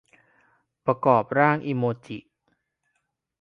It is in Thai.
ประกอบร่างอิโมจิ